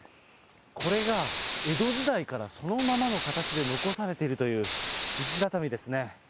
これが江戸時代からそのままの形で残されているという石畳ですね。